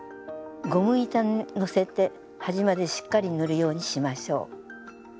ゴム板にのせて端までしっかり塗るようにしましょう。